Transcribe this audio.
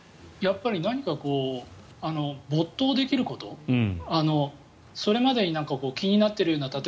やっぱり何か没頭できることそれまでに気になっているような